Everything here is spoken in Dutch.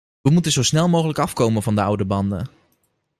We moeten zo snel mogelijk afkomen van de oude banden.